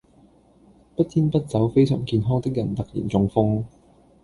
不煙不酒非常健康的人突然中風